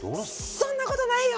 そんなことないよ！